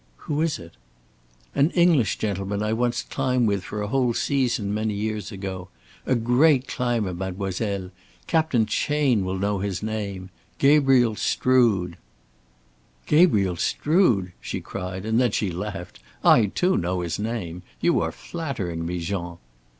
"Who is it?" "An English gentleman I once climbed with for a whole season many years ago. A great climber, mademoiselle! Captain Chayne will know his name. Gabriel Strood." "Gabriel Strood!" she cried, and then she laughed. "I too know his name. You are flattering me, Jean."